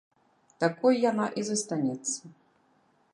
Такой яна і застанецца.